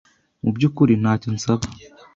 Mubyukuri, ntacyo nsaba.